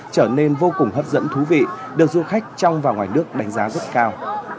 trở nên vô cùng hấp dẫn thú vị được du khách trong và ngoài nước đánh giá rất cao